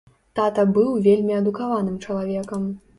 Тата быў вельмі адукаваным чалавекам.